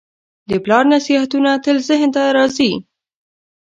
د پلار نصیحتونه تل ذهن ته راځي.